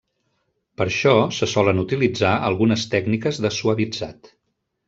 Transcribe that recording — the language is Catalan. Per això, se solen utilitzar algunes tècniques de suavitzat.